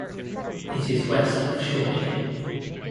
It is west of Shawnee.